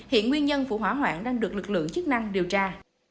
hiện nguyên nhân vụ hỏa hoạn đang được lực lượng chức năng điều tra